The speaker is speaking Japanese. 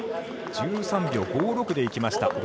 １３秒５６でいきました。